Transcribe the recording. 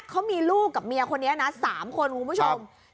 เขามีลูกกับเมียคนนี้นะ๓คนคุณผู้ชม